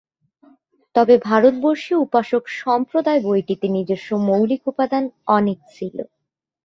তবে "ভারতবর্ষীয় উপাসক-সম্প্রদায়" বইটিতে নিজস্ব মৌলিক উপাদান অনেক ছিল।